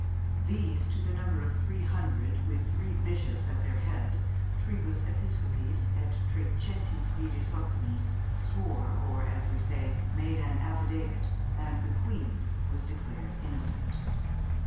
These, to the number of three hundred, with three bishops at their head (tribus episcopis et trecentis viris optimis), swore, or, as we say, made an affidavit, and the queen was declared innocent.